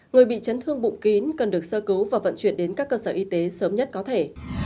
người bị chấn thương bụng kín cần được sơ cứu và vận chuyển đến các cơ sở y tế sớm nhất có thể